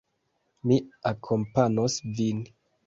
Mi akompanos vin.